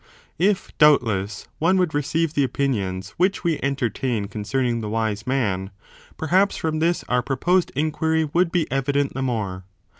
If, doubtless, one would receive the opinions which we entertain concerning the wise man, perhaps from this our proposed inquiry would evident the more.